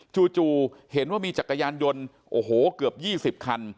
จู่เห็นว่ามีจักรยานยนต์โอ้โหเกือบ๒๐คัน